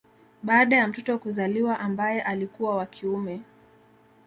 Baada ya mtoto kuzaliwa ambaye alikuwa wa kiume